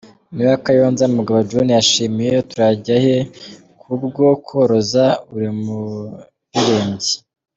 Meya wa Kayonza, Mugabo John yashimiye Turajyahera kubwo koroza buri muririmbyi.